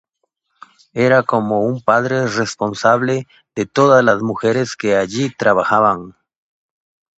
Era como un padre responsable de todas las mujeres que allí trabajaban.